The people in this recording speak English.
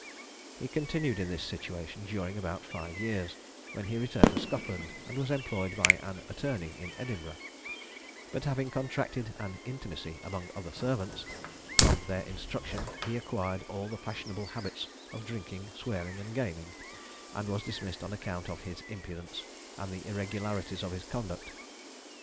He continued in this situation during about five years, when he returned to Scotland, and was employed by an attorney in Edinburgh; but having contracted an intimacy among other servants, from their instruction he acquired all the fashionable habits of drinking, swearing, and gaming, and was dismissed on account of his impudence, and the irregularities of his conduct.